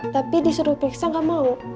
tapi disuruh piksa gak mau